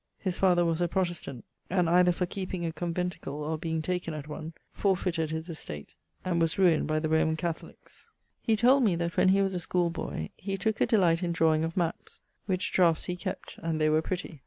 His father was a Protestant, and either for keeping a conventicle, or being taken at one, forfeited his estate, and was ruined by the Roman Catholiques. He told me that when he was a schoole boy he tooke a delight in draweing of mapps; which draughts he kept, and they were pretty.